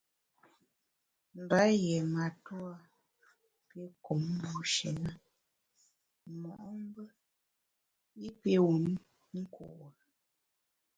Mba yié matua pi kum bushi na mo’mbe i pi wum nkure.